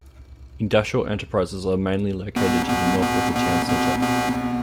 Industrial enterprises are mainly located to the north of the town center.